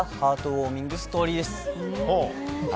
ウォーミングストーリーです。